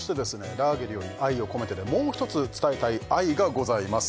「ラーゲリより愛を込めて」でもう一つ伝えたい愛がございます